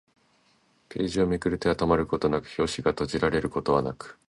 ページをめくる手は止まることはなく、表紙が閉じられることはなく